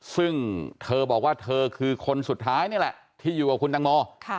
ซึ่งเธอบอกว่าเธอคือคนสุดท้ายนี่แหละที่อยู่กับคุณตังโม